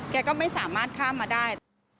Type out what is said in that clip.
แกก็ไม่สามารถข้ามมาได้